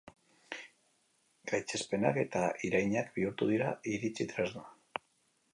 Gaitzespenak eta irainak bihurtu dira iritzi tresna.